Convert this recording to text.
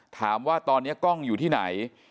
ถามว่าตอนนี้กล้องอยู่ที่ไหน